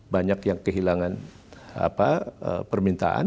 banyak yang kehilangan permintaan